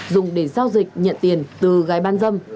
dùng để giao dịch nhận tiền từ gái bán dâm